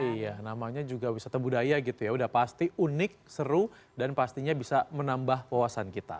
iya namanya juga wisata budaya gitu ya udah pasti unik seru dan pastinya bisa menambah wawasan kita